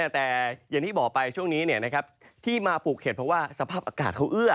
แต่อย่างที่บอกไปช่วงนี้ที่มาปลูกเห็ดเพราะว่าสภาพอากาศเขาเอื้อ